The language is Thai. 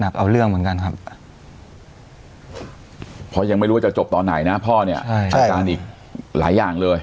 เพราะยังไม่รู้ว่าจะจบตอนไหนนะพ่อเนี่ยอาการอีกหลายอย่างเลย